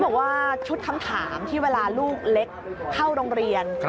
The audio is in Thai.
บอกว่าชุดคำถามที่เวลาลูกเล็กเข้าโรงเรียน